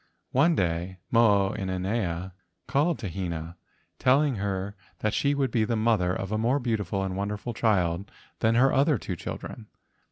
One day Mo o inanea called to Hina, telling her that she would be the mother of a more beautiful and wonderful child than her other two children.